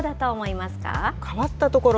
変わった所？